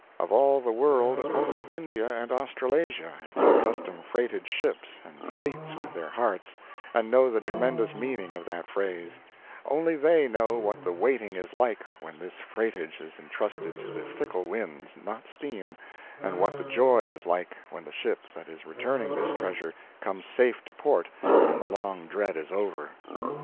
Of all the world only India and Australasia have by custom freighted ships and fleets with their hearts, and know the tremendous meaning of that phrase; only they know what the waiting is like when this freightage is entrusted to the fickle winds, not steam, and what the joy is like when the ship that is returning this treasure comes safe to port and the long dread is over.